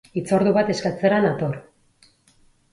Hitzordu bat eskatzera nator